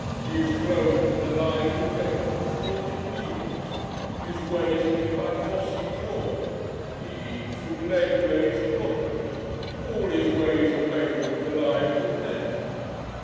He is clothed in the lives of bent and thwarted weavers, his Way is lit by phossy jaw, he eats from lead glazed crockery all his ways are paved with the lives of men....